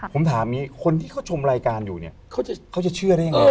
ผมถามนี้คนที่เขาชมรายการอยู่เนี่ยเขาจะเชื่ออะไรอย่างนี้